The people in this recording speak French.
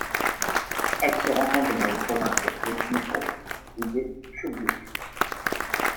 Elle se rencontre dans les provinces de Río Negro et de Chubut.